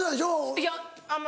いや。